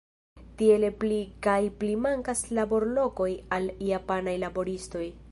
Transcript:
Tiele pli kaj pli mankas laborlokoj al japanaj laboristoj.